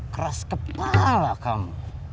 keras kepala kamu